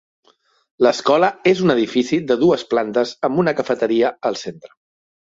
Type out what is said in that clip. L'escola és un edifici de dues plantes amb una cafeteria al centre.